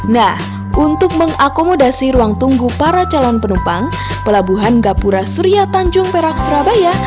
nah untuk mengakomodasi ruang tunggu para calon penumpang pelabuhan gapura surya tanjung perak surabaya